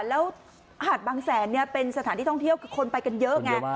แล้วหาดบางแสนเป็นสถานที่ท่องเที่ยวคือคนไปกันเยอะไง